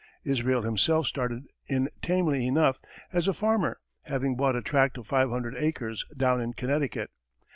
Israel himself started in tamely enough as a farmer, having bought a tract of five hundred acres down in Connecticut.